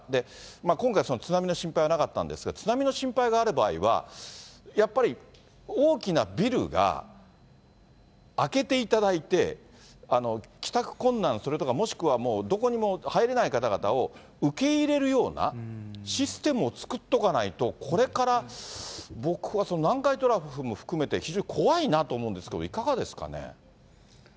今回津波の心配はなかったんですが、津波の心配がある場合は、やっぱり大きなビルが開けていただいて、帰宅困難、もしくはもうどこにも入れない方々を受け入れるようなシステムを作っとかないと、これから僕は南海トラフも含めて、非常に怖いなと思うんですけど、いかがですかね。